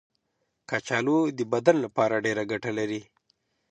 کچالو د بدن لپاره ډېره ګټه لري.